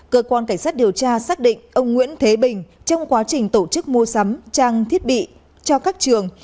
cơ quan cảnh sát điều tra xác định ông nguyễn thế bình trong quá trình tổ chức mua sắm trang thiết bị cho các trường